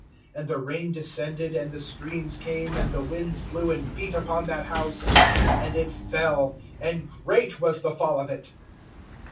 (27)And the rain descended, and the streams came, and the winds blew, and beat upon that house, and it fell; and great was the fall of it.